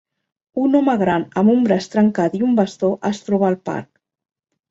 Un home gran amb un braç trencat i un bastó es troba al parc.